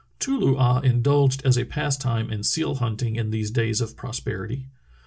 Too loo ah indulged as a pastime in seal hunt ing in these days of prosperity.